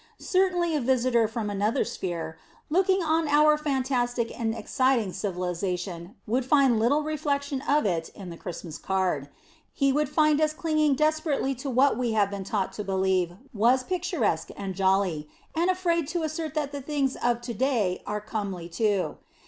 Certainly a visitor from another sphere, looking on our fantastic and exciting civilization, would find little reflection of it in the Christmas card. He would find us clinging desperately to what we have been taught to believe was picturesque and jolly, and afraid to assert that the things of to day are comely too.